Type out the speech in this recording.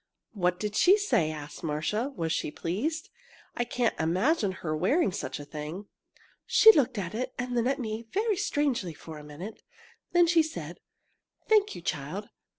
"What did she say?" asked Marcia. "Was she pleased? I can't imagine her wearing such a thing." "She looked at it and then at me very strangely for a minute. Then she said: 'Thank you, child.